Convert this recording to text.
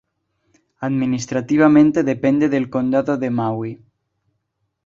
Administrativamente depende del condado de Maui.